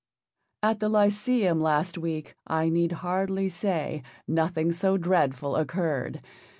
At the Lyceum last week I need hardly say nothing so dreadful occurred.